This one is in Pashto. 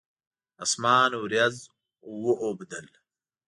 اسمان اوریځ واوبدل